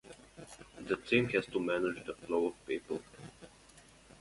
The team has to manage the flow of people.